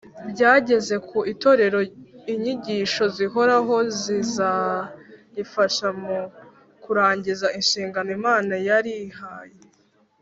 byageza ku itorero inyigisho zihoraho zizarifasha mu kurangiza inshingano Imana yarihaye.